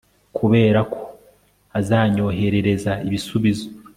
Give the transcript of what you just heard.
kuberako azanyoherereza ibisubizo